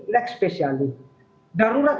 lek spesialis darurat